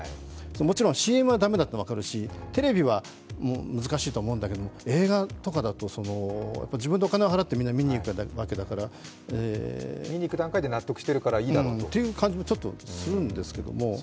もちろんＣＭは駄目なのは分かるしテレビは難しいとは思うんだけど映画とかだと、自分でお金を払ってみんな見に行くわけだから見に行くだけだからいいのかと？っていう感じもするんですけど。